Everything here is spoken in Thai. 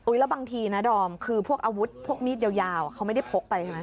อุ๊ยแล้วบางทีนะดอมคือพวกมีดยาวเขาไม่ได้พกไป